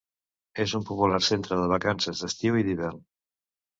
És un popular centre de vacances d'estiu i d'hivern.